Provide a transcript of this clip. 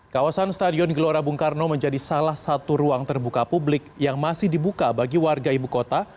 kawasan stadion gelora bung karno menjadi salah satu ruang terbuka publik yang masih dibuka bagi warga ibu kota